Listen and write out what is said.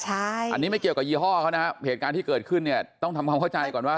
อันนี้ไม่เกี่ยวกับยี่ห้อเหตุการณ์ที่เกิดขึ้นต้องทำความเข้าใจก่อนว่า